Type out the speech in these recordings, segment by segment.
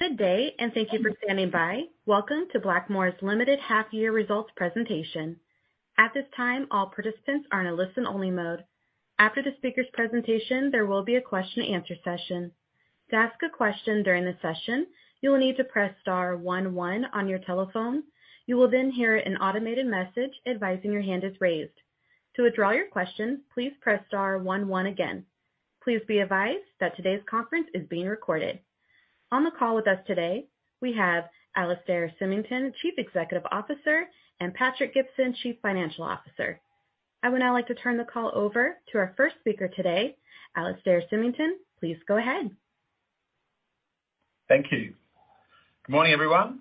Good day. Thank you for standing by. Welcome to Blackmores Limited half year results presentation. At this time, all participants are in a listen only mode. After the speaker's presentation, there will be a question and answer session. To ask a question during the session, you will need to press star one one on your telephone. You will hear an automated message advising your hand is raised. To withdraw your question, please press star one one again. Please be advised that today's conference is being recorded. On the call with us today, we have Alastair Symington, Chief Executive Officer, and Patrick Gibson, Chief Financial Officer. I would now like to turn the call over to our first speaker today, Alastair Symington. Please go ahead. Thank you. Good morning, everyone.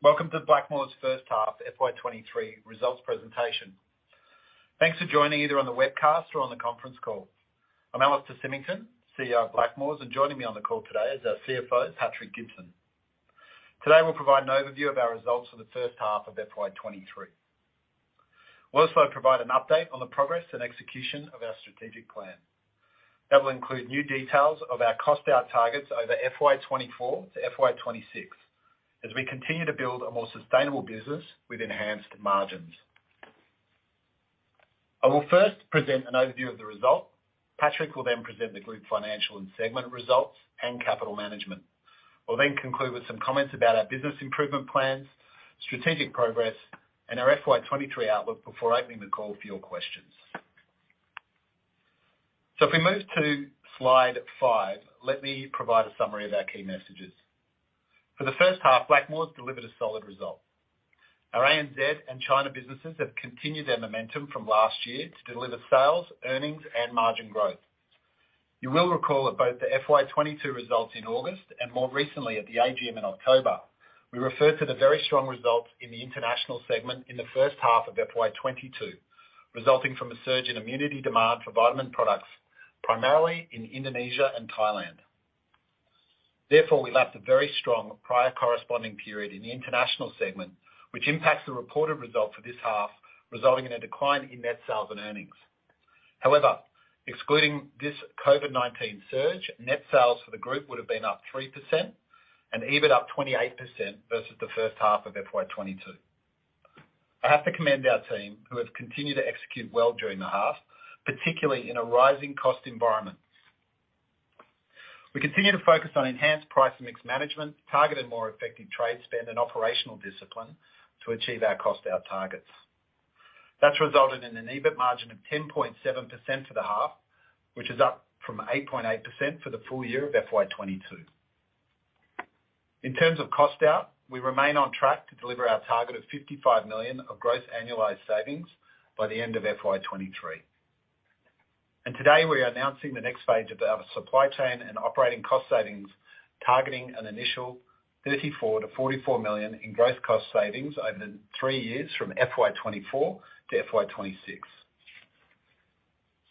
Welcome to Blackmores first half FY23 results presentation. Thanks for joining either on the webcast or on the conference call. I'm Alastair Symington, CEO of Blackmores, and joining me on the call today is our CFO, Patrick Gibson. Today, we'll provide an overview of our results for the first half of FY23. We'll also provide an update on the progress and execution of our strategic plan. That will include new details of our cost out targets over FY24 to FY26 as we continue to build a more sustainable business with enhanced margins. I will first present an overview of the result. Patrick will present the group financial and segment results and capital management. I'll conclude with some comments about our business improvement plans, strategic progress, and our FY23 outlook before opening the call for your questions. If we move to slide five, let me provide a summary of our key messages. For the first half, Blackmores delivered a solid result. Our ANZ and China businesses have continued their momentum from last year to deliver sales, earnings, and margin growth. You will recall at both the FY22 results in August and more recently at the AGM in October, we referred to the very strong results in the international segment in the first half of FY22, resulting from a surge in immunity demand for vitamin products, primarily in Indonesia and Thailand. We left a very strong prior corresponding period in the international segment, which impacts the reported result for this half, resulting in a decline in net sales and earnings. Excluding this COVID-19 surge, net sales for the group would have been up 3% and EBIT up 28% versus the first half of FY22. I have to commend our team who have continued to execute well during the half, particularly in a rising cost environment. We continue to focus on enhanced price and mix management, targeted more effective trade spend and operational discipline to achieve our cost out targets. That's resulted in an EBIT margin of 10.7% for the half, which is up from 8.8% for the full year of FY22. In terms of cost out, we remain on track to deliver our target of 55 million of gross annualized savings by the end of FY23. Today, we are announcing the next phase of our supply chain and operating cost savings, targeting an initial 34 million-44 million in gross cost savings over three years from FY24-FY26.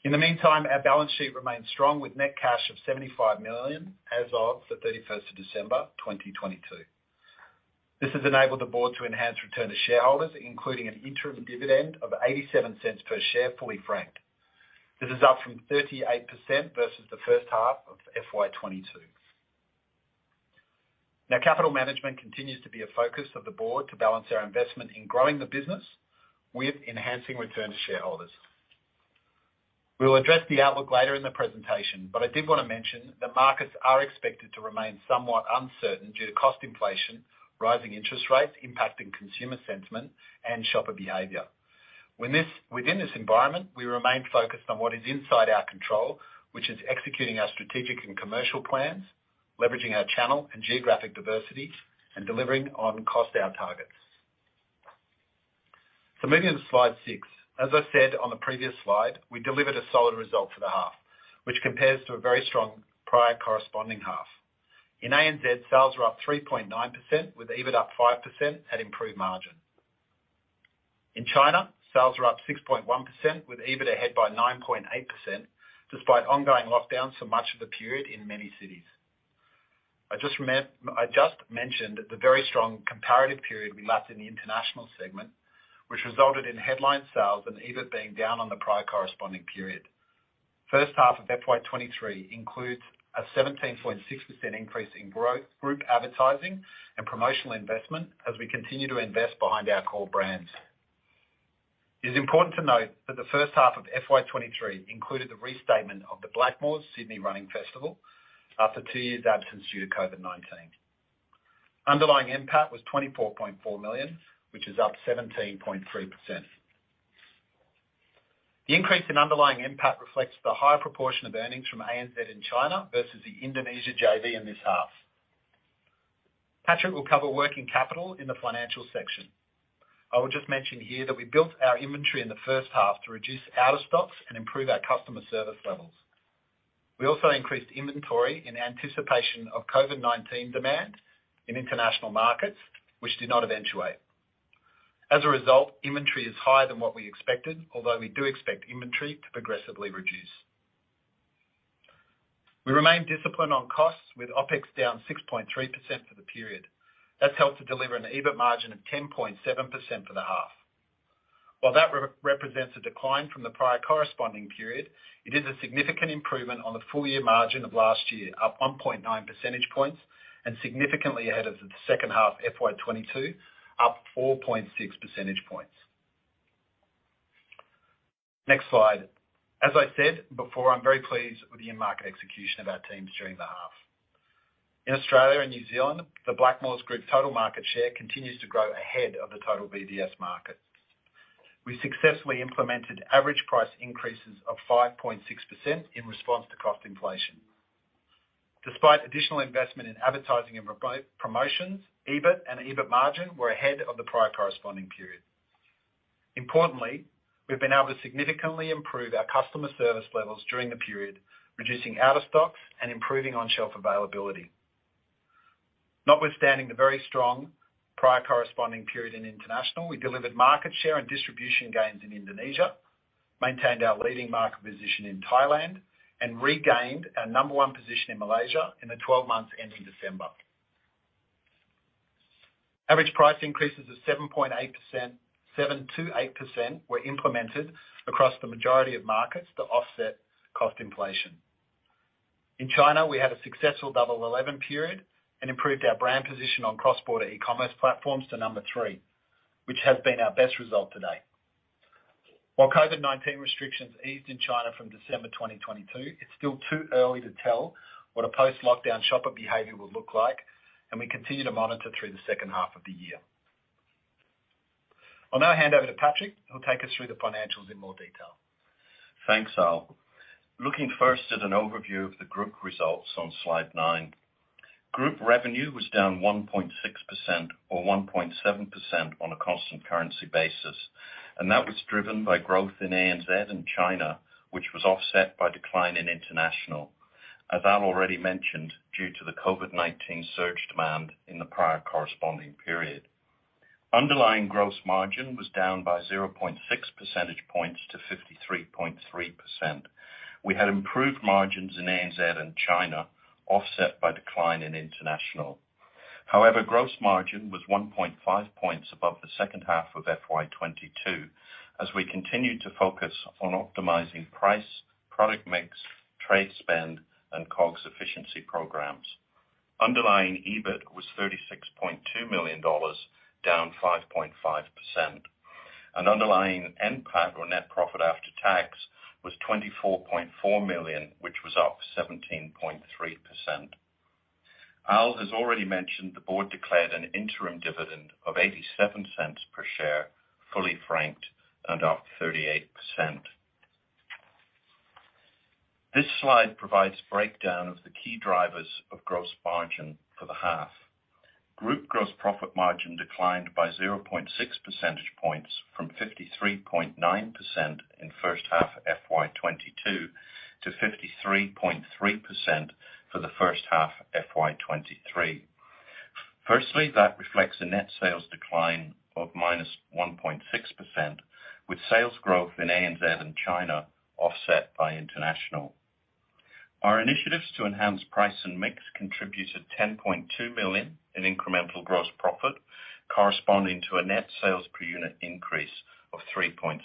In the meantime, our balance sheet remains strong with net cash of 75 million as of December 31st, 2022. This has enabled the board to enhance return to shareholders, including an interim dividend of 0.87 per share, fully franked. This is up from 38% versus the first half of FY22. Capital management continues to be a focus of the board to balance our investment in growing the business with enhancing return to shareholders. We will address the outlook later in the presentation, but I did wanna mention the markets are expected to remain somewhat uncertain due to cost inflation, rising interest rates impacting consumer sentiment and shopper behavior. Within this environment, we remain focused on what is inside our control, which is executing our strategic and commercial plans, leveraging our channel and geographic diversity, and delivering on cost out targets. Moving to slide six. As I said on the previous slide, we delivered a solid result for the half, which compares to a very strong prior corresponding half. In ANZ, sales were up 3.9%, with EBIT up 5% at improved margin. In China, sales were up 6.1%, with EBIT ahead by 9.8%, despite ongoing lockdowns for much of the period in many cities. I just mentioned the very strong comparative period we left in the international segment, which resulted in headline sales and EBIT being down on the prior corresponding period. First half of FY23 includes a 17.6% increase in growth, group advertising and promotional investment as we continue to invest behind our core brands. It is important to note that the first half of FY23 included the restatement of the Blackmores Sydney Running Festival after two years' absence due to COVID-19. Underlying NPAT was 24.4 million, which is up 17.3%. The increase in underlying NPAT reflects the higher proportion of earnings from ANZ in China versus the Indonesia JV in this half. Patrick will cover working capital in the financial section. I will just mention here that we built our inventory in the first half to reduce out-of-stocks and improve our customer service levels. We also increased inventory in anticipation of COVID-19 demand in international markets, which did not eventuate. As a result, inventory is higher than what we expected, although we do expect inventory to progressively reduce. We remain disciplined on costs with OpEx down 6.3% for the period. That's helped to deliver an EBIT margin of 10.7% for the half. While that re-represents a decline from the prior corresponding period, it is a significant improvement on the full year margin of last year, up 1.9 percentage points, and significantly ahead of the second half FY22, up 4.6 percentage points. Next slide. As I said before, I'm very pleased with the in-market execution of our teams during the half. In Australia and New Zealand, the Blackmores Group total market share continues to grow ahead of the total BDS market. We successfully implemented average price increases of 5.6% in response to cost inflation. Despite additional investment in advertising and promotions, EBIT and EBIT margin were ahead of the prior corresponding period. Importantly, we've been able to significantly improve our customer service levels during the period, reducing out of stocks and improving on-shelf availability. Notwithstanding the very strong prior corresponding period in international, we delivered market share and distribution gains in Indonesia, maintained our leading market position in Thailand, and regained our number one position in Malaysia in the 12 months ending December. Average price increases of 7.8%, 7%-8% were implemented across the majority of markets to offset cost inflation. In China, we had a successful Double Eleven period and improved our brand position on cross-border e-commerce platforms to number three, which has been our best result to date. While COVID-19 restrictions eased in China from December 2022, it's still too early to tell what a post-lockdown shopper behavior will look like, and we continue to monitor through the second half of the year. I'll now hand over to Patrick, who'll take us through the financials in more detail. Thanks, Al. Looking first at an overview of the group results on slide nine. Group revenue was down 1.6% or 1.7% on a constant currency basis, that was driven by growth in ANZ and China, which was offset by decline in international. As Al already mentioned, due to the COVID-19 surge demand in the prior corresponding period. Underlying gross margin was down by 0.6 percentage points to 53.3%. We had improved margins in ANZ and China, offset by decline in international. Gross margin was 1.5 points above the second half of FY22 as we continued to focus on optimizing price, product mix, trade spend, and COGS efficiency programs. Underlying EBIT was 36.2 million dollars, down 5.5%. Underlying NPAT, or net profit after tax, was 24.4 million, which was up 17.3%. Al has already mentioned the board declared an interim dividend of 0.87 per share, fully franked and up 38%. This slide provides breakdown of the key drivers of gross margin for the half. Group gross profit margin declined by 0.6 percentage points from 53.9% in first half FY22 to 53.3% for the first half FY23. Firstly, that reflects a net sales decline of minus 1.6%, with sales growth in ANZ and China offset by international. Our initiatives to enhance price and mix contributed 10.2 million in incremental gross profit, corresponding to a net sales per unit increase of 3.6%.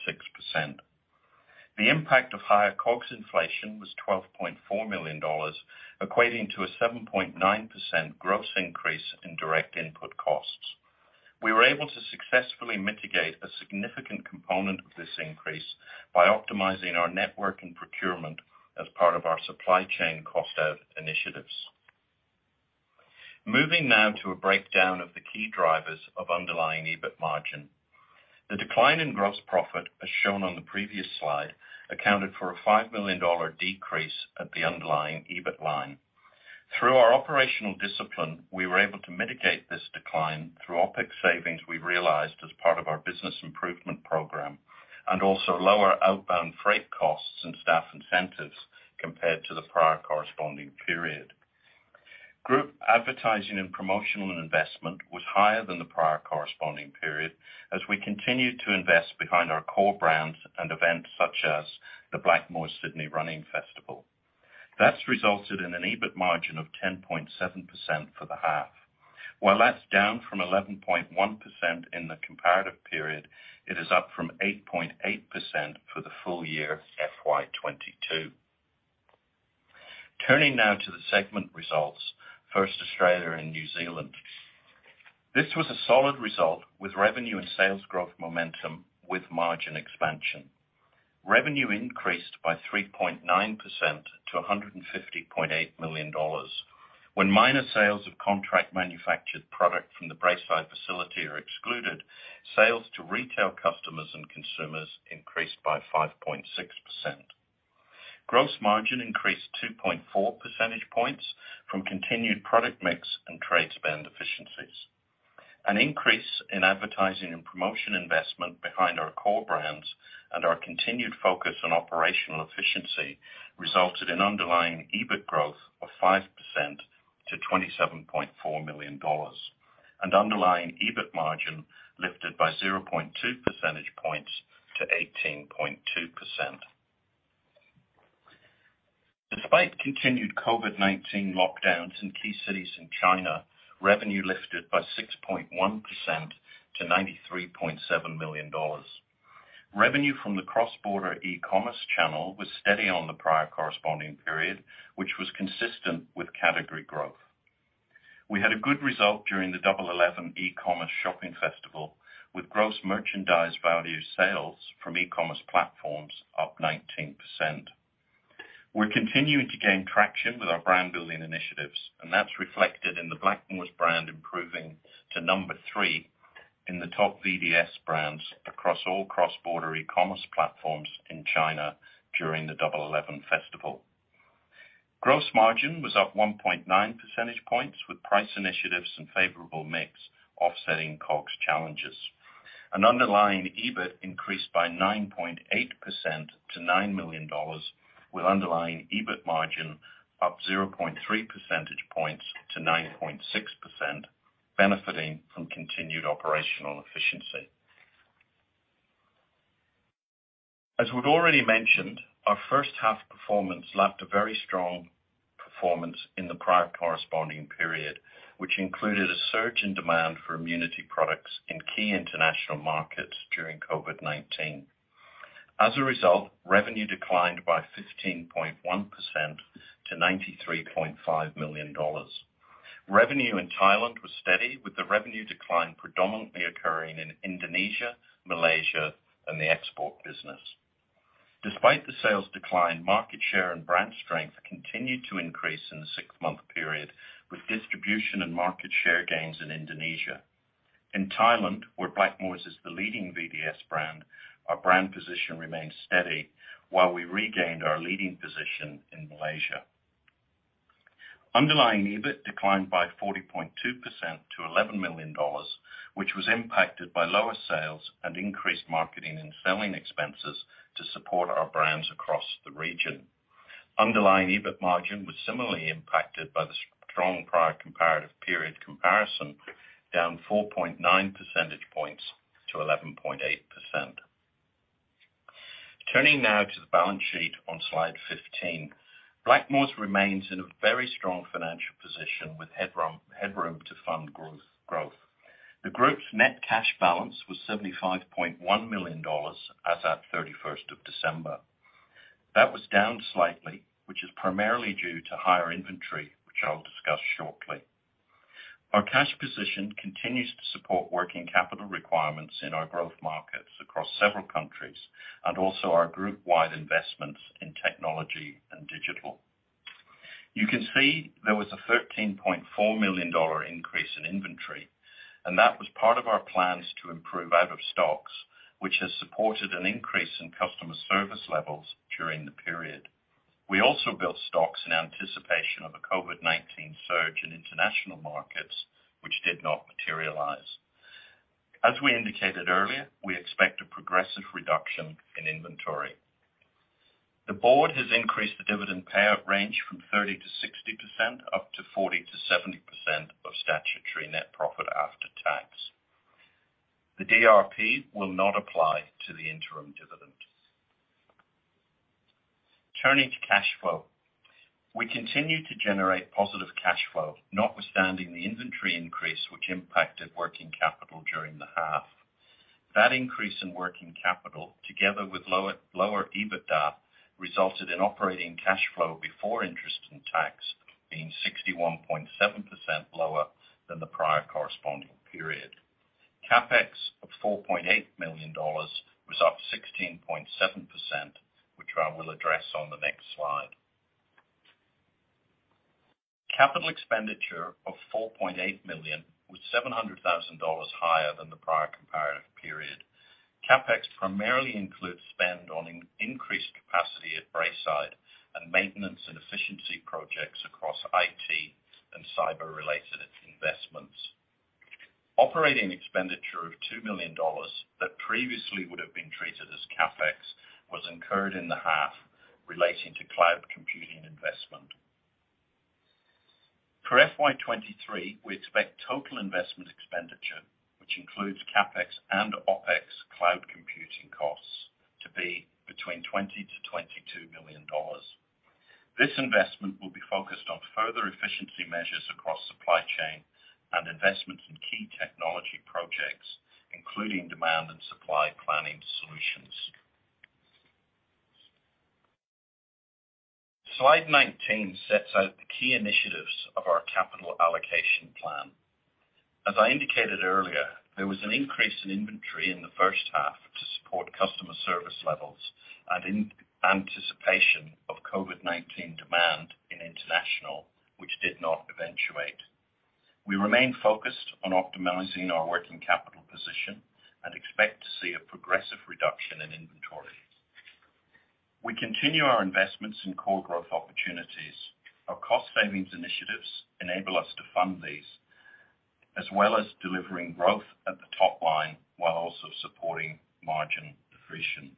The impact of higher COGS inflation was 12.4 million dollars, equating to a 7.9% gross increase in direct input costs. We were able to successfully mitigate a significant component of this increase by optimizing our network and procurement as part of our supply chain cost-out initiatives. Moving now to a breakdown of the key drivers of underlying EBIT margin. The decline in gross profit, as shown on the previous slide, accounted for a 5 million dollar decrease at the underlying EBIT line. Through our operational discipline, we were able to mitigate this decline through OpEx savings we realized as part of our business improvement program, and also lower outbound freight costs and staff incentives compared to the prior corresponding period. Group advertising and promotional investment was higher than the prior corresponding period as we continued to invest behind our core brands and events such as the Blackmores Sydney Running Festival. That's resulted in an EBIT margin of 10.7% for the half. While that's down from 11.1% in the comparative period, it is up from 8.8% for the full year FY22. Turning now to the segment results. First, Australia and New Zealand. This was a solid result with revenue and sales growth momentum with margin expansion. Revenue increased by 3.9% to 150.8 million dollars. When minor sales of contract manufactured product from the Braeside facility are excluded, sales to retail customers and consumers increased by 5.6%. Gross margin increased 2.4 percentage points from continued product mix and trade spend efficiencies. An increase in advertising and promotion investment behind our core brands and our continued focus on operational efficiency resulted in underlying EBIT growth of 5% to 27.4 million dollars, and underlying EBIT margin lifted by 0.2 percentage points to 18.2%. Despite continued COVID-19 lockdowns in key cities in China, revenue lifted by 6.1% to 93.7 million dollars. Revenue from the cross-border e-commerce channel was steady on the prior corresponding period, which was consistent with category growth. We had a good result during the Double Eleven e-commerce shopping festival, with gross merchandise value sales from e-commerce platforms up 19%. We're continuing to gain traction with our brand-building initiatives, and that's reflected in the Blackmores brand improving to number three in the top VDS brands across all cross-border e-commerce platforms in China during the Double Eleven festival. Gross margin was up 1.9 percentage points, with price initiatives and favorable mix offsetting COGS challenges. Underlying EBIT increased by 9.8% to 9 million dollars, with underlying EBIT margin up 0.3 percentage points to 9.6%, benefiting from continued operational efficiency. As we've already mentioned, our first half performance lacked a very strong performance in the prior corresponding period, which included a surge in demand for immunity products in key international markets during COVID-19. As a result, revenue declined by 15.1% to 93.5 million dollars. Revenue in Thailand was steady, with the revenue decline predominantly occurring in Indonesia, Malaysia, and the export business. Despite the sales decline, market share and brand strength continued to increase in the six-month period, with distribution and market share gains in Indonesia. In Thailand, where Blackmores is the leading VDS brand, our brand position remains steady, while we regained our leading position in Malaysia. Underlying EBIT declined by 40.2% to 11 million dollars, which was impacted by lower sales and increased marketing and selling expenses to support our brands across the region. Underlying EBIT margin was similarly impacted by the strong prior comparative period comparison, down 4.9 percentage points to 11.8%. Turning now to the balance sheet on slide 15. Blackmores remains in a very strong financial position with headroom to fund growth. The group's net cash balance was 75.1 million dollars as at 31st of December. That was down slightly, which is primarily due to higher inventory, which I'll discuss shortly. Our cash position continues to support working capital requirements in our growth markets across several countries, and also our group-wide investments in technology and digital. You can see there was a 13.4 million dollar increase in inventory, and that was part of our plans to improve out of stocks, which has supported an increase in customer service levels during the period. We also built stocks in anticipation of a COVID-19 surge in international markets, which did not materialize. As we indicated earlier, we expect a progressive reduction in inventory. The board has increased the dividend payout range from 30%-60% up to 40%-70% of statutory net profit after tax. The DRP will not apply to the interim dividend. Turning to cash flow. We continue to generate positive cash flow, notwithstanding the inventory increase, which impacted working capital during the half. That increase in working capital, together with lower EBITDA, resulted in operating cash flow before interest and tax being 61.7% lower than the prior corresponding period. CapEx of 4.8 million dollars was up 16.7%, which I will address on the next slide. Capital expenditure of 4.8 million was 700,000 dollars higher than the prior comparative period. CapEx primarily includes spend on increased capacity at Braeside and maintenance and efficiency projects across IT and cyber-related investments. Operating expenditure of 2 million dollars that previously would have been treated as CapEx was incurred in the half relating to cloud computing investment. For FY23, we expect total investment expenditure, which includes CapEx and OpEx cloud computing costs, to be between 20 million-22 million dollars. This investment will be focused on further efficiency measures across supply chain and investments in key technology projects, including demand and supply planning solutions. Slide 19 sets out the key initiatives of our capital allocation plan. As I indicated earlier, there was an increase in inventory in the first half to support customer service levels and in anticipation of COVID-19 demand in international, which did not eventuate. We remain focused on optimizing our working capital position and expect to see a progressive reduction in inventory. We continue our investments in core growth opportunities. Our cost savings initiatives enable us to fund these, as well as delivering growth at the top line while also supporting margin accretion.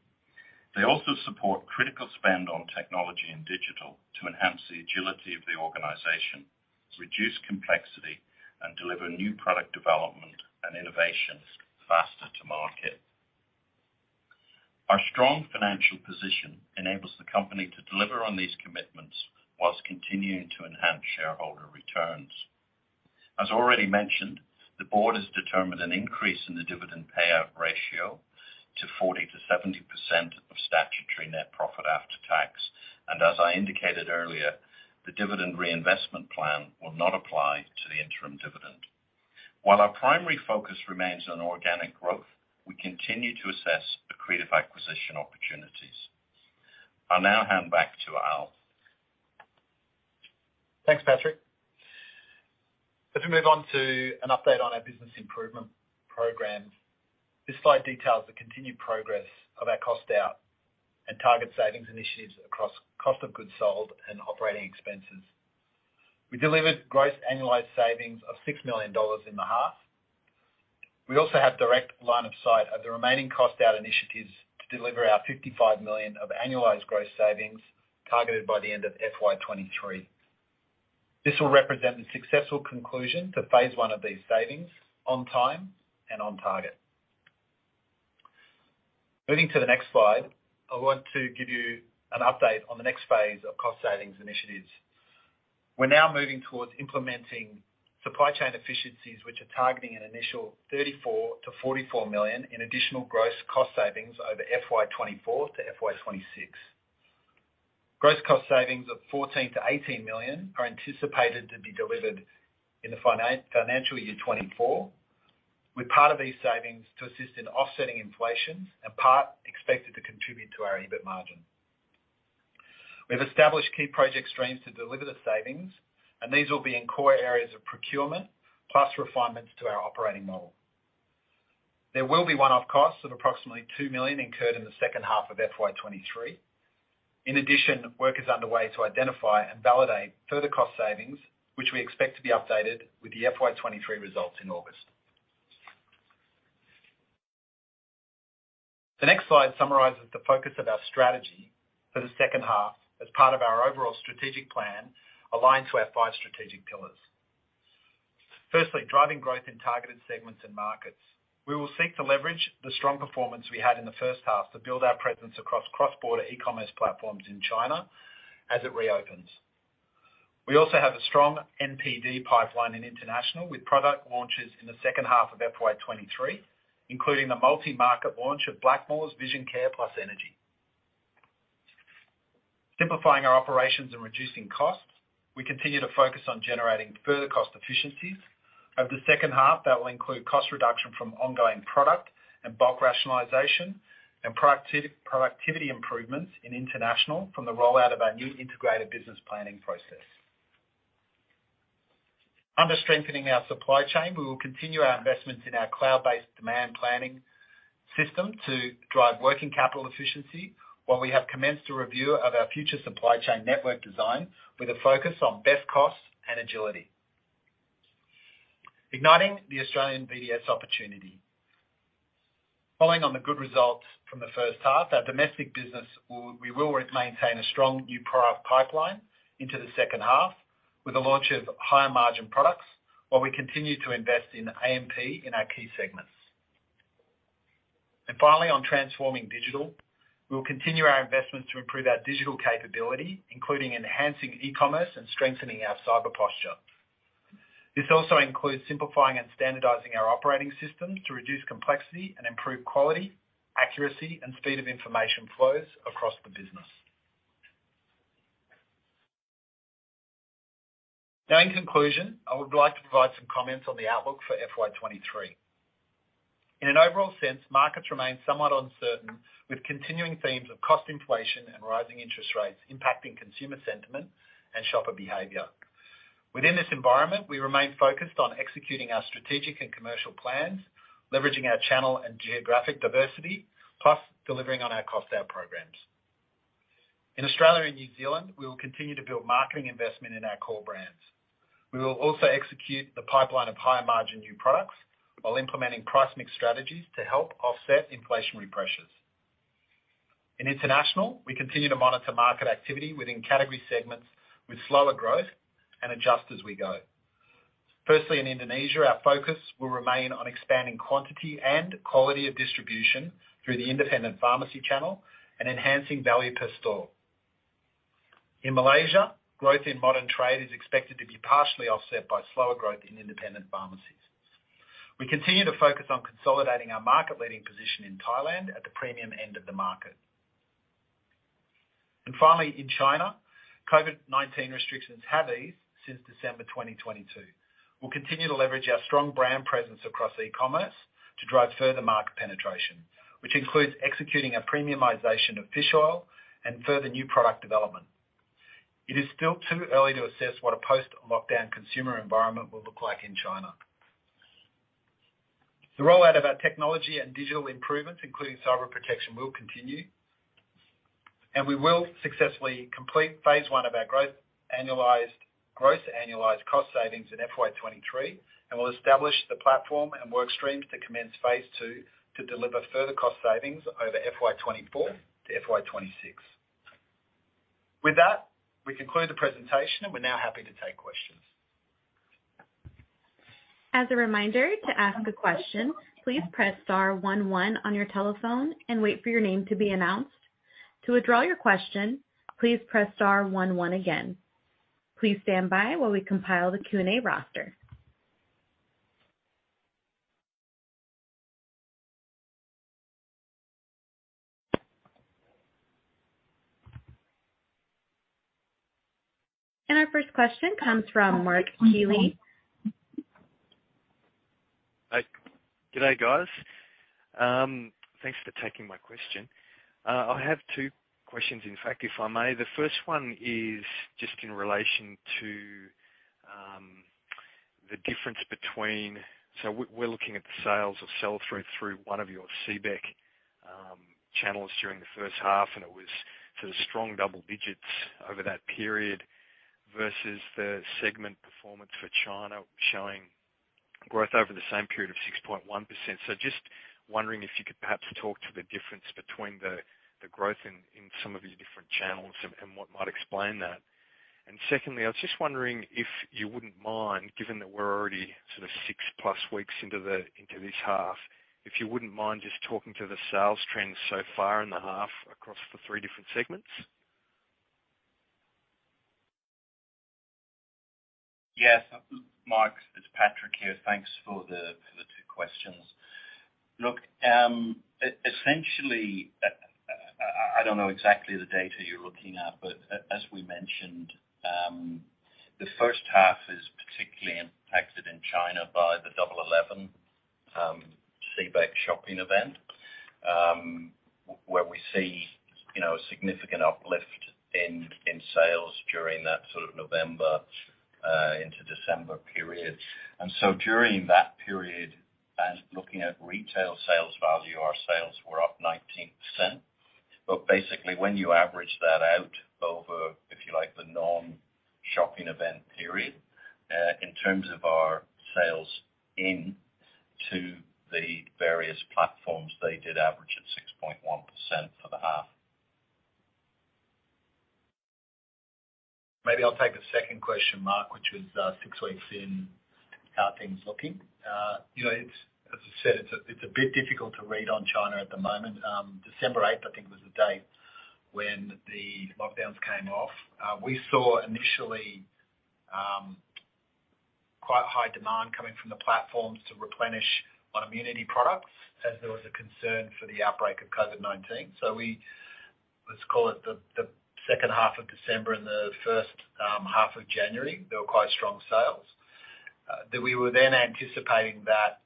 They also support critical spend on technology and digital to enhance the agility of the organization, reduce complexity, and deliver new product development and innovations faster to market. Our strong financial position enables the company to deliver on these commitments whilst continuing to enhance shareholder returns. As already mentioned, the board has determined an increase in the dividend payout ratio to 40%-70% of statutory net profit after tax, and as I indicated earlier, the dividend reinvestment plan will not apply to the interim dividend. While our primary focus remains on organic growth, we continue to assess accretive acquisition opportunities. I'll now hand back to Al. Thanks, Patrick. As we move on to an update on our business improvement program, this slide details the continued progress of our cost out and target savings initiatives across cost of goods sold and operating expenses. We delivered gross annualized savings of $6 million in the half. We also have direct line of sight of the remaining cost out initiatives to deliver our $55 million of annualized gross savings targeted by the end of FY23. This will represent the successful conclusion to phase I of these savings on time and on target. Moving to the next slide, I want to give you an update on the next phase of cost savings initiatives. We're now moving towards implementing supply chain efficiencies, which are targeting an initial $34 million-$44 million in additional gross cost savings over FY24 to FY26. Gross cost savings of 14 million-18 million are anticipated to be delivered in the financial year FY24, with part of these savings to assist in offsetting inflation and part expected to contribute to our EBIT margin. We've established key project streams to deliver the savings, and these will be in core areas of procurement, plus refinements to our operating model. There will be one-off costs of approximately 2 million incurred in the second half of FY23. In addition, work is underway to identify and validate further cost savings, which we expect to be updated with the FY23 results in August. The next slide summarizes the focus of our strategy for the second half as part of our overall strategic plan aligned to our five strategic pillars. Firstly, driving growth in targeted segments and markets. We will seek to leverage the strong performance we had in the first half to build our presence across cross-border e-commerce platforms in China as it reopens. We also have a strong NPD pipeline in international with product launches in the second half of FY23, including the multi-market launch of Blackmores Vision Care + Energy. Simplifying our operations and reducing costs, we continue to focus on generating further cost efficiencies. Over the second half, that will include cost reduction from ongoing product and bulk rationalization and productivity improvements in international from the rollout of our new integrated business planning process. Under strengthening our supply chain, we will continue our investments in our cloud-based demand planning system to drive working capital efficiency, while we have commenced a review of our future supply chain network design with a focus on best cost and agility. Igniting the Australian BDS opportunity. Following on the good results from the first half, we will maintain a strong new product pipeline into the second half with the launch of higher margin products, while we continue to invest in AMP in our key segments. Finally, on transforming digital, we will continue our investments to improve our digital capability, including enhancing e-commerce and strengthening our cyber posture. This also includes simplifying and standardizing our operating system to reduce complexity and improve quality, accuracy, and speed of information flows across the business. In conclusion, I would like to provide some comments on the outlook for FY23. In an overall sense, markets remain somewhat uncertain, with continuing themes of cost inflation and rising interest rates impacting consumer sentiment and shopper behavior. Within this environment, we remain focused on executing our strategic and commercial plans, leveraging our channel and geographic diversity, plus delivering on our cost out programs. In Australia and New Zealand, we will continue to build marketing investment in our core brands. We will also execute the pipeline of higher margin new products while implementing price mix strategies to help offset inflationary pressures. In international, we continue to monitor market activity within category segments with slower growth and adjust as we go. Firstly, in Indonesia, our focus will remain on expanding quantity and quality of distribution through the independent pharmacy channel and enhancing value per store. In Malaysia, growth in modern trade is expected to be partially offset by slower growth in independent pharmacies. We continue to focus on consolidating our market-leading position in Thailand at the premium end of the market. Finally, in China, COVID-19 restrictions have eased since December 2022. We'll continue to leverage our strong brand presence across e-commerce to drive further market penetration, which includes executing a premiumization of fish oil and further new product development. It is still too early to assess what a post-lockdown consumer environment will look like in China. The rollout of our technology and digital improvements, including cyber protection, will continue, and we will successfully complete phase one of our growth annualized, gross annualized cost savings in FY23, and we'll establish the platform and work streams to commence phase II to deliver further cost savings over FY24 to FY26. With that, we conclude the presentation, and we're now happy to take questions. As a reminder, to ask a question, please press star one one on your telephone and wait for your name to be announced. To withdraw your question, please press star one one again. Please stand by while we compile the Q&A roster. Our first question comes from Mark Southwell-Keely. Hi. Good day, guys. Thanks for taking my question. I have two questions, in fact, if I may. The first one is just in relation to the difference between... So we're looking at the sales or sell-through through one of your CBEC channels during the first half, and it was sort of strong double digits over that period versus the segment performance for China showing growth over the same period of 6.1%. Just wondering if you could perhaps talk to the difference between the growth in some of your different channels and what might explain that. Secondly, I was just wondering if you wouldn't mind, given that we're already sort of 6+ weeks into this half, if you wouldn't mind just talking to the sales trends so far in the half across the three different segments. Yes. Mark, it's Patrick here. Thanks for the, for the two questions. Look, essentially, I don't know exactly the data you're looking at, as we mentioned, the first half is particularly impacted in China by the Double Eleven, CBEC shopping event, where we see, you know, significant uplift in sales during that sort of November into December period. During that period, and looking at retail sales value, our sales were up 19%. Basically, when you average that out over, if you like, the non-shopping event period, in terms of our sales into the various platforms, they did average at 6.1% for the half. Maybe I'll take the second question, Mark, which was, six weeks in, how are things looking? You know, it's, as I said, it's a bit difficult to read on China at the moment. December 8th, I think, was the date when the lockdowns came off. We saw initially quite high demand coming from the platforms to replenish on immunity products as there was a concern for the outbreak of COVID-19. We, let's call it the second half of December and the first half of January, there were quite strong sales. That we were then anticipating that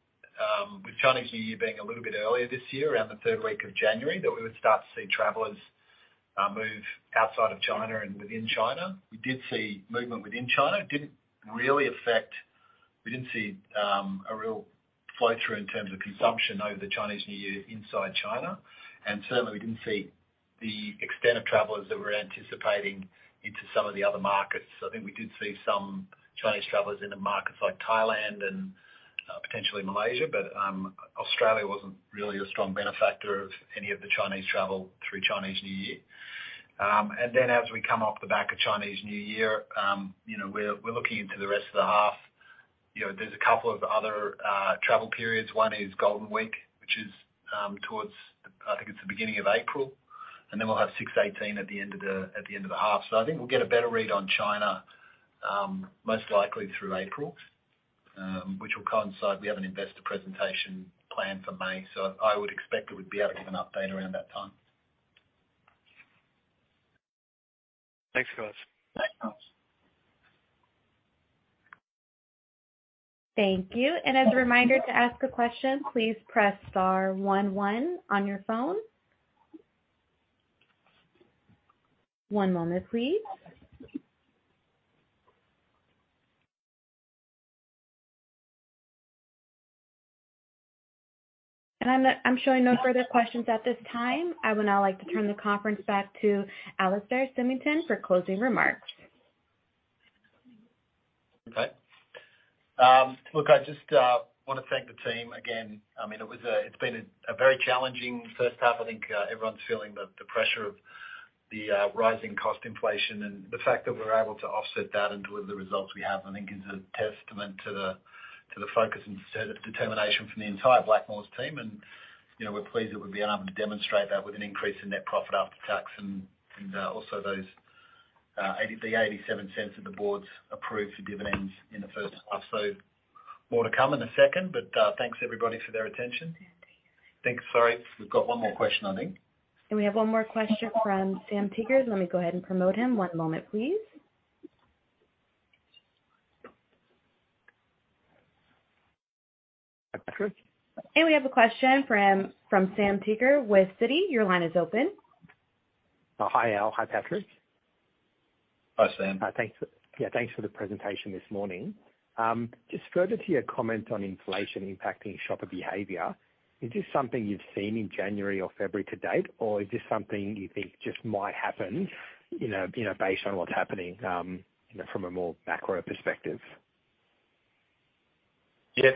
with Chinese New Year being a little bit earlier this year, around the 3rd week of January, that we would start to see travelers move outside of China and within China. Didn't really affect. We didn't see a real flow-through in terms of consumption over the Chinese New Year inside China. Certainly, we didn't see the extent of travelers that we're anticipating into some of the other markets. I think we did see some Chinese travelers in the markets like Thailand and potentially Malaysia. Australia wasn't really a strong benefactor of any of the Chinese travel through Chinese New Year. As we come off the back of Chinese New Year, you know, we're looking into the rest of the half. You know, there's a couple of other travel periods. One is Golden Week, which is towards, I think it's the beginning of April, and then we'll have 618 at the end of the half. I think we'll get a better read on China, most likely through April, which will coincide. We have an investor presentation planned for May, so I would expect we'd be able to give an update around that time. Thanks, guys. Thanks, Mark. Thank you. As a reminder to ask a question, please press star one one on your phone. One moment, please. I'm showing no further questions at this time. I would now like to turn the conference back to Alastair Symington for closing remarks. Look, I just wanna thank the team again. I mean, it's been a very challenging first half. I think everyone's feeling the pressure of the rising cost inflation. The fact that we're able to offset that into the results we have, I think is a testament to the focus and determination from the entire Blackmores team. You know, we're pleased that we've been able to demonstrate that with an increase in net profit after tax and also those 0.87 that the Board approved for dividends in the first half. More to come in a second, but thanks everybody for their attention. Thanks. Sorry. We've got one more question, I think. We have one more question from Sam Teeger. Let me go ahead and promote him. One moment, please. Hi, Patrick. We have a question from Sam Teeger with Citi. Your line is open. Oh, hi, Al. Hi, Patrick. Hi, Sam. Thanks. Yeah, thanks for the presentation this morning. Just further to your comment on inflation impacting shopper behavior, is this something you've seen in January or February to date, or is this something you think just might happen, you know, based on what's happening, you know, from a more macro perspective?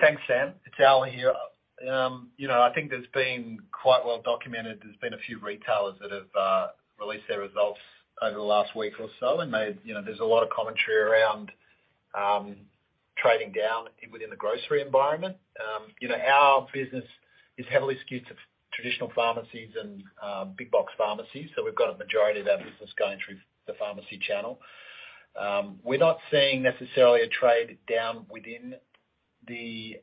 Thanks, Sam. It's Al here. You know, I think it's been quite well documented. There's been a few retailers that have released their results over the last week or so, and they, you know, there's a lot of commentary around trading down within the grocery environment. You know, our business is heavily skewed to traditional pharmacies and big box pharmacies, so we've got a majority of our business going through the pharmacy channel. We're not seeing necessarily a trade down within the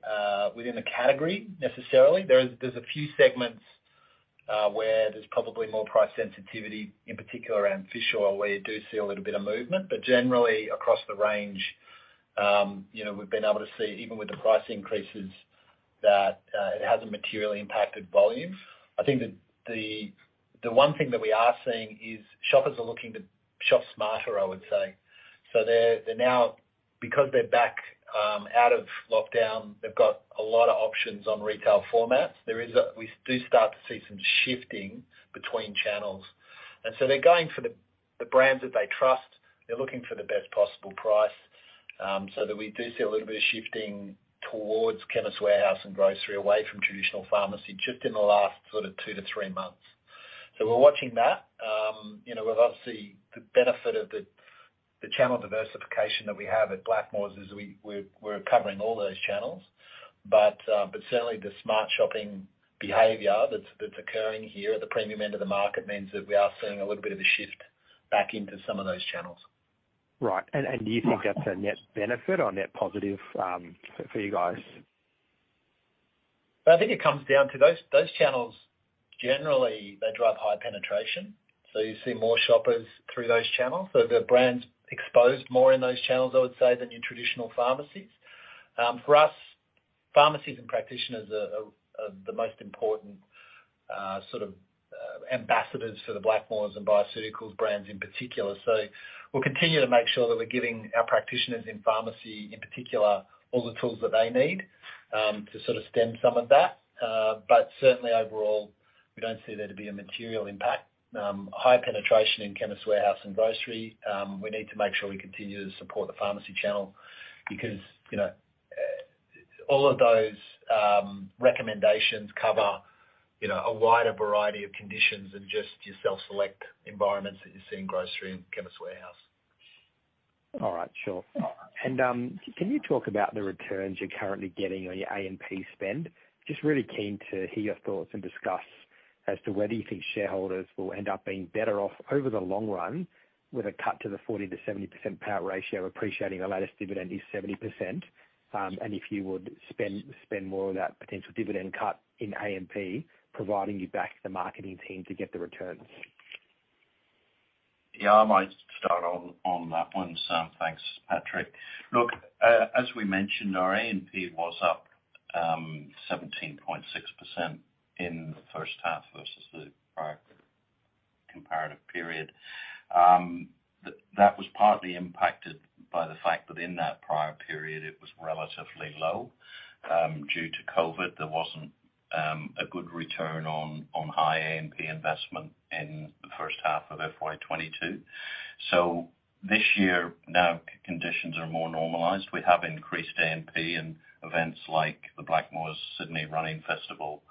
within the category necessarily. There's a few segments where there's probably more price sensitivity, in particular around fish oil, where you do see a little bit of movement, but generally across the range, you know, we've been able to see even with the price increases that it hasn't materially impacted volume. I think that the one thing that we are seeing is shoppers are looking to shop smarter, I would say. They're now because they're back out of lockdown, they've got a lot of options on retail formats. We do start to see some shifting between channels. They're going for the brands that they trust. They're looking for the best possible price. That we do see a little bit of shifting towards Chemist Warehouse and Grocery, away from traditional pharmacy just in the last sort of two to three months. We're watching that. You know, we've obviously the benefit of the channel diversification that we have at Blackmores is we're covering all those channels. Certainly the smart shopping behavior that's occurring here at the premium end of the market means that we are seeing a little bit of a shift back into some of those channels. Right. You think that's a net benefit or net positive, for you guys? I think it comes down to those channels, generally, they drive high penetration, so you see more shoppers through those channels. The brand's exposed more in those channels, I would say, than your traditional pharmacies. For us, pharmacies and practitioners are the most important sort of ambassadors for the Blackmores and BioCeuticals brands in particular. We'll continue to make sure that we're giving our practitioners in pharmacy, in particular, all the tools that they need to sort of stem some of that. Certainly overall, we don't see there to be a material impact. High penetration in Chemist Warehouse and Grocery, we need to make sure we continue to support the pharmacy channel because, you know, all of those recommendations cover, you know, a wider variety of conditions than just your self-select environments that you see in Grocery and Chemist Warehouse. All right, sure. Can you talk about the returns you're currently getting on your A&P spend? Just really keen to hear your thoughts and discuss as to whether you think shareholders will end up being better off over the long run with a cut to the 40%-70% payout ratio, appreciating the latest dividend is 70%, and if you would spend more of that potential dividend cut in A&P, providing you back the marketing team to get the returns. I might start on that one, Sam. Thanks, Patrick. Look, as we mentioned, our A&P was up 17.6% in the first half versus the prior comparative period. That was partly impacted by the fact that in that prior period, it was relatively low due to COVID. There wasn't a good return on high A&P investment in the first half of FY22. This year, now conditions are more normalized. We have increased A&P, and events like the Blackmores Sydney Running Festival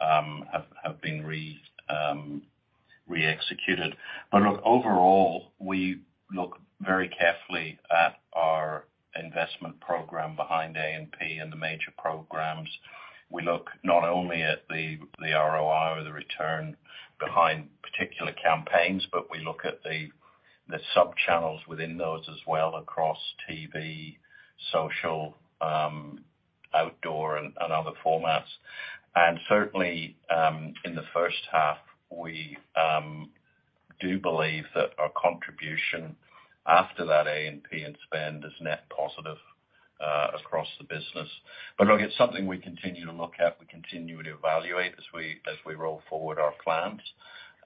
have been re-executed. Look, overall, we look very carefully at our investment program behind A&P and the major programs. We look not only at the ROI or the return behind particular campaigns, but we look at the sub-channels within those as well, across TV, social, outdoor and other formats. Certainly, in the first half, we do believe that our contribution after that A&P and spend is net positive across the business. Look, it's something we continue to look at, we continue to evaluate as we roll forward our plans.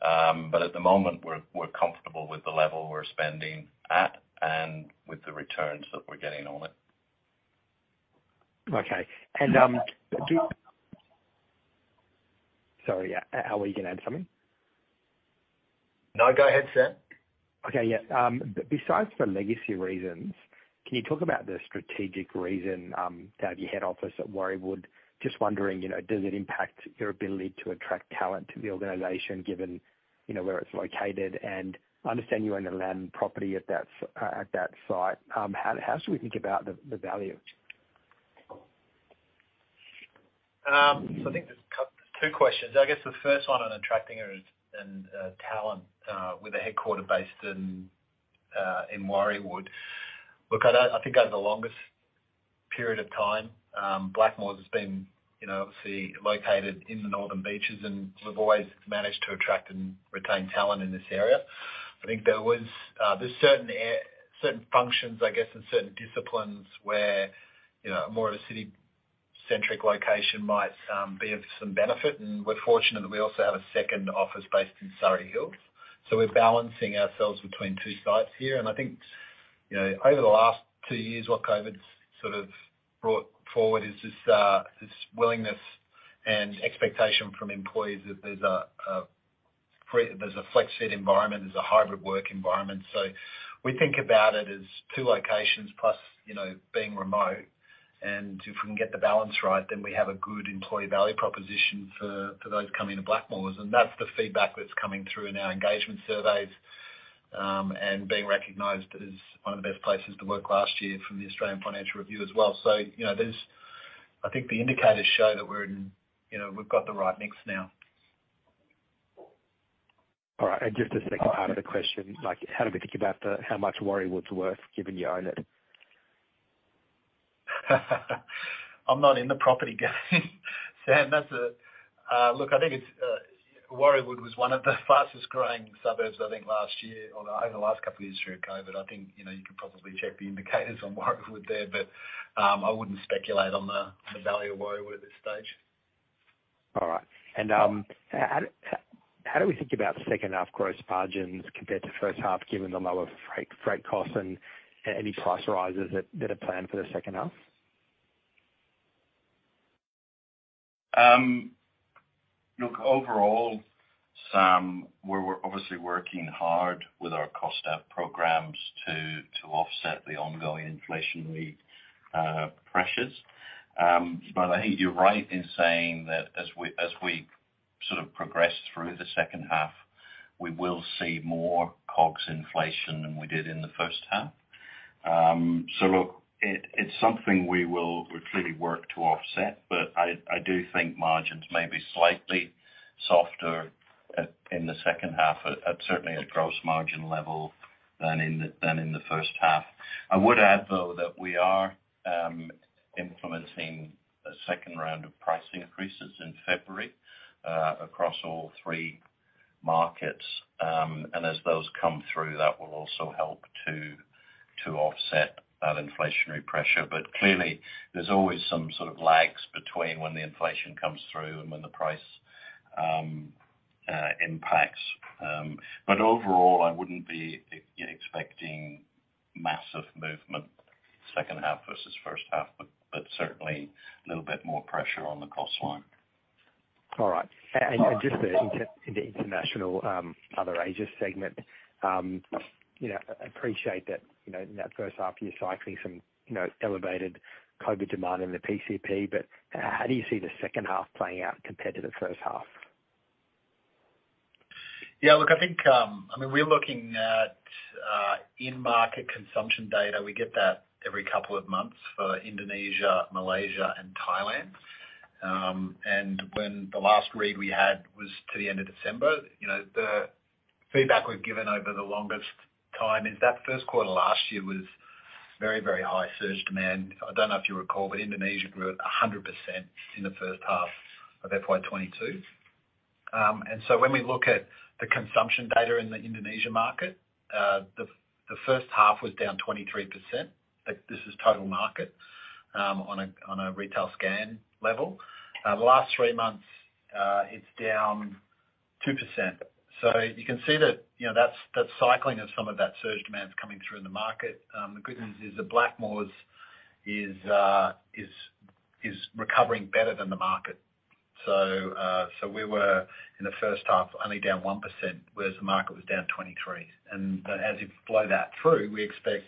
At the moment we're comfortable with the level we're spending at and with the returns that we're getting on it. Okay. Sorry, Al, were you gonna add something? No, go ahead, Sam. Okay, yeah. Besides for legacy reasons, can you talk about the strategic reason to have your head office at Warriewood? Just wondering, you know, does it impact your ability to attract talent to the organization given, you know, where it's located? I understand you own the land and property at that site. How should we think about the value? I think there's two questions. I guess the first one on attracting is talent with a headquarter based in Warriewood. Look, I think over the longest period of time, Blackmores has been, you know, obviously located in the Northern Beaches, and we've always managed to attract and retain talent in this area. I think there's certain functions, I guess, and certain disciplines where, you know, more of a city-centric location might be of some benefit. We're fortunate that we also have a second office based in Surry Hills. We're balancing ourselves between two sites here, and I think, you know, over the last two years, what COVID's sort of brought forward is this willingness and expectation from employees that there's a flex fit environment, there's a hybrid work environment. We think about it as two locations plus, you know, being remote. If we can get the balance right, then we have a good employee value proposition for those coming to Blackmores. That's the feedback that's coming through in our engagement surveys and being recognized as one of the best places to work last year from the Australian Financial Review as well. I think the indicators show that, you know, we've got the right mix now. All right. Just the second part of the question, like, how do we think about how much Warriewood's worth given you own it? I'm not in the property game, Sam. Look, I think it's Warriewood was one of the fastest growing suburbs, I think last year, although over the last couple of years through COVID. I think, you know, you could probably check the indicators on Warriewood there, but I wouldn't speculate on the value of Warriewood at this stage. All right. How do we think about second half gross margins compared to first half given the lower freight costs and any price rises that are planned for the second half? Look, overall, Sam, we're obviously working hard with our cost out programs to offset the ongoing inflationary pressures. I think you're right in saying that as we sort of progress through the second half, we will see more COGS inflation than we did in the first half. Look, it's something we will clearly work to offset, but I do think margins may be slightly softer in the second half, certainly at gross margin level than in the first half. I would add, though, that we are implementing a second round of pricing increases in February across all three markets. As those come through, that will also help to offset that inflationary pressure. Clearly, there's always some sort of lags between when the inflation comes through and when the price impacts. But overall, I wouldn't be expecting massive movement second half versus first half, but certainly a little bit more pressure on the cost line. All right. Just the international, other Asia segment, you know, I appreciate that, you know, in that first half you're cycling some, you know, elevated COVID demand in the PCP, but how do you see the second half playing out compared to the first half? I think we're looking at in-market consumption data. We get that every couple of months for Indonesia, Malaysia, and Thailand. When the last read we had was to the end of December, you know, the feedback we've given over the longest time is that Q1 last year was very, very high surge demand. I don't know if you recall, Indonesia grew at 100% in the first half of FY22. When we look at the consumption data in the Indonesia market, the first half was down 23%. This is total market on a retail scan level. The last three months, it's down 2%. You can see that, you know, that cycling of some of that surge demand is coming through in the market. The good news is that Blackmores is recovering better than the market. We were in the first half only down 1%, whereas the market was down 23%. As you flow that through, we expect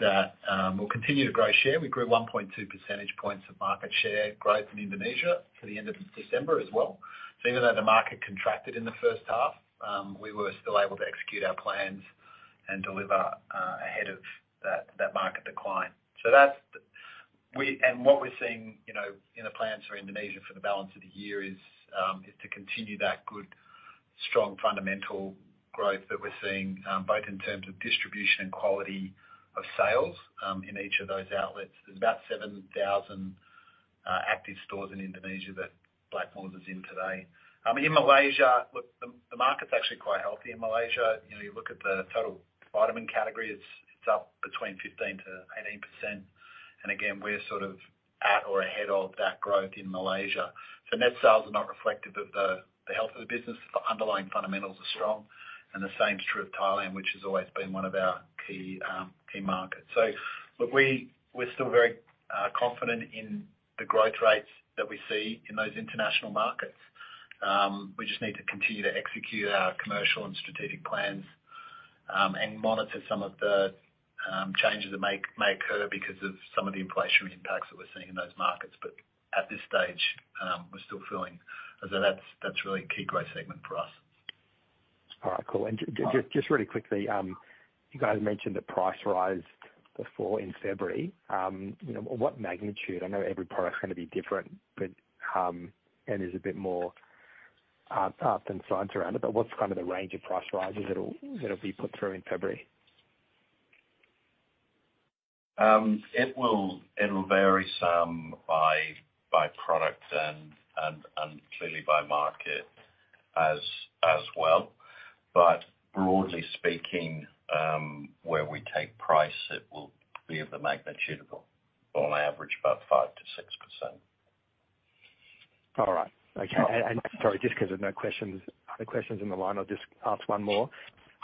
that we'll continue to grow share. We grew 1.2 percentage points of market share growth in Indonesia for the end of December as well. Even though the market contracted in the first half, we were still able to execute our plans and deliver ahead of that market decline. What we're seeing, you know, in the plans for Indonesia for the balance of the year is to continue that good, strong fundamental growth that we're seeing, both in terms of distribution and quality of sales, in each of those outlets. There's about 7,000 active stores in Indonesia that Blackmores is in today. In Malaysia, look, the market's actually quite healthy in Malaysia. You know, you look at the total vitamin category, it's up between 15%-18%. Again, we're sort of at or ahead of that growth in Malaysia. Net sales are not reflective of the health of the business. The underlying fundamentals are strong and the same is true of Thailand, which has always been one of our key markets. Look, we're still very confident in the growth rates that we see in those international markets. We just need to continue to execute our commercial and strategic plans and monitor some of the changes that may occur because of some of the inflationary impacts that we're seeing in those markets. At this stage, we're still feeling as though that's really a key growth segment for us. All right, cool. Just really quickly, you guys mentioned the price rise before in February. You know, what magnitude? I know every product's gonna be different, but, there's a bit more art than science around it, but what's kind of the range of price rises that'll be put through in February? It'll vary some by product and clearly by market as well. Broadly speaking, where we take price, it will be of the magnitude of on average about 5%-6%. All right. Okay. sorry, just 'cause there's no questions, other questions in the line, I'll just ask one more.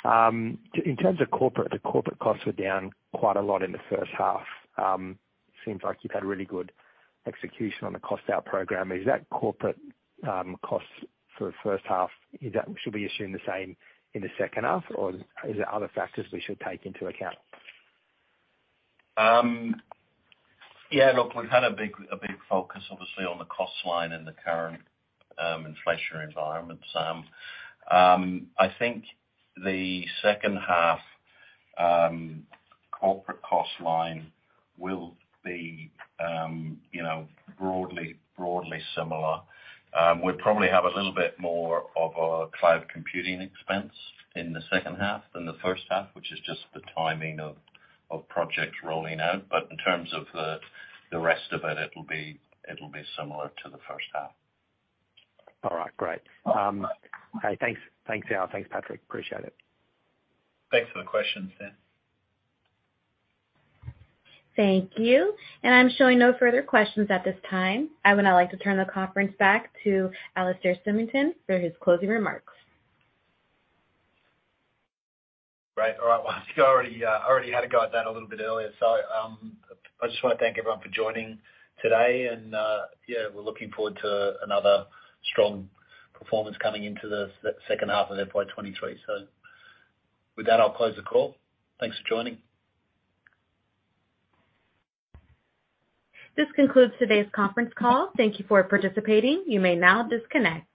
In terms of corporate, the corporate costs were down quite a lot in the first half. Seems like you've had really good execution on the cost out program. Is that corporate costs for the first half, should we assume the same in the second half, or is there other factors we should take into account? Yeah, look, we've had a big focus obviously on the cost line in the current inflationary environment, Sam. I think the second half corporate cost line will be, you know, broadly similar. We'll probably have a little bit more of a cloud computing expense in the second half than the first half, which is just the timing of projects rolling out. In terms of the rest of it'll be similar to the first half. All right. Great. Okay. Thanks. Thanks, Al. Thanks, Patrick. Appreciate it. Thanks for the question, Sam. Thank you. I'm showing no further questions at this time. I would now like to turn the conference back to Alastair Symington for his closing remarks. Great. All right. I think I already had a go at that a little bit earlier. I just wanna thank everyone for joining today and, yeah, we're looking forward to another strong performance coming into the second half of FY23. With that, I'll close the call. Thanks for joining. This concludes today's conference call. Thank you for participating. You may now disconnect.